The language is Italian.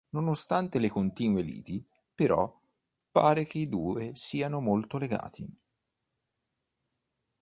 Nonostante le continue liti, però pare che i due siano molto legati.